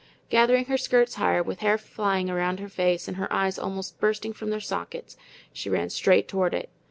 Gathering her skirts higher, with hair flying around her face and her eyes almost bursting from their sockets, she ran straight toward it.